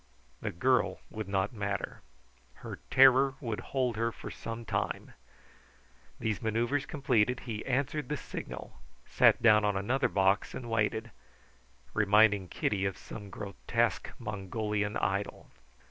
The girl would not matter. Her terror would hold her for some time. These manoeuvres completed, he answered the signal, sat down on another box and waited, reminding Kitty of some grotesque Mongolian idol.